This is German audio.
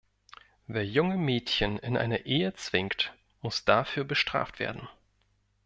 Wer junge Mädchen in eine Ehe zwingt, muss dafür bestraft werden.